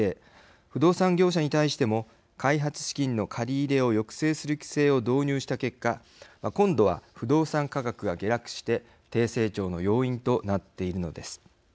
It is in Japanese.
不動産業者に対しても開発資金の借り入れを抑制する規制を導入した結果今度は不動産価格が下落して低成長の要因となっているのです。